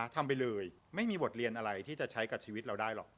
ทำไปเลยไม่มีบทเรียนอะไรที่จะใช้กับชีวิตเราได้หรอก